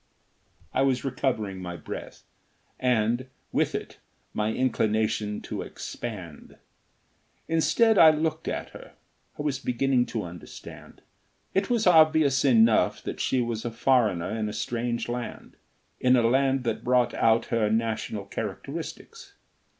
I was recovering my breath, and, with it, my inclination to expand. Instead, I looked at her. I was beginning to understand. It was obvious enough that she was a foreigner in a strange land, in a land that brought out her national characteristics.